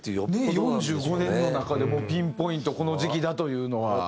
４５年の中でピンポイントこの時期だというのは。